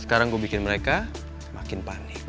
sekarang gue bikin mereka makin panik